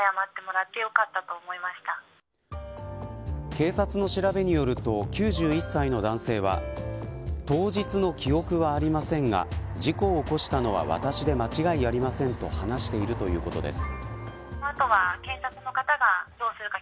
警察の調べによると９１歳の男性は当日の記憶はありませんが事故を起こしたのは私で間違いありませんと話しているということです。